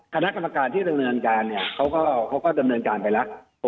คณะกรรมการที่ดำเนินการเนี่ยเขาก็ดำเนินการไปแล้ว